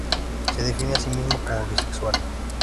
Se define a sí mismo como bisexual.